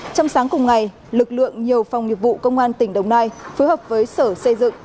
trong sáng cùng ngày lực lượng nhiều phòng nghiệp vụ công an tỉnh đồng nai phối hợp với sở xây dựng